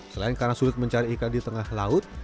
selain karena sulit mencari ikan di tengah laut